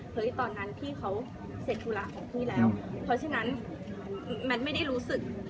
ตอนนั้นพี่เขาเสร็จธุระของพี่แล้วเพราะฉะนั้นแมทไม่ได้รู้สึก